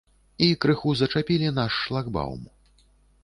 І крыху зачапілі наш шлагбаўм.